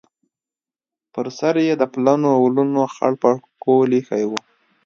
پر سر یې د پلنو ولونو خړ پکول ایښی و.